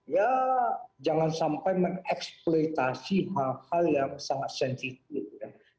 ya jangan sampai mengeksploitasi hal hal yang sangat sensitif ya